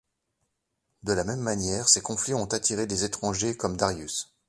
De la même manière ces conflits ont attiré des étrangers comme Darius.